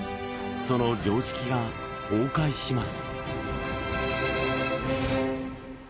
その常識が崩壊します